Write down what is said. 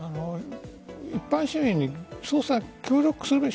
一般市民に捜査協力するべき。